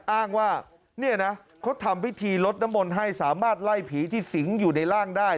อ้างว่าเนี่ยนะเขาทำพิธีลดน้ำมนต์ให้สามารถไล่ผีที่สิงอยู่ในร่างได้